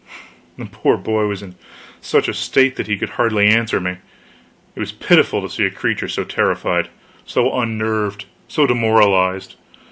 The poor boy was in such a state that he could hardly answer me. It was pitiful to see a creature so terrified, so unnerved, so demoralized.